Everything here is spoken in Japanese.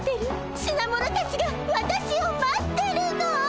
品物たちが私を待ってるの！